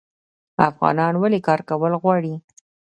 افغانان ولې کار کول غواړي؟